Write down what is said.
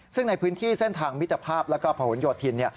ซึ่งในพื้นที่เส้นทางมิจภาพและผ่านหวนโยทิน